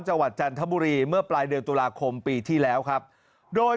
จันทบุรีเมื่อปลายเดือนตุลาคมปีที่แล้วครับโดย